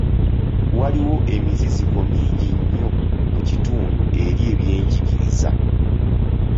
Waliwo emiziziko mingi nnyo mu kitundu eri ebyenjigiriza.